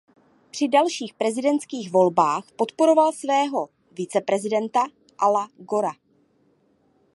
Při dalších prezidentských volbách podporoval svého viceprezidenta Ala Gora.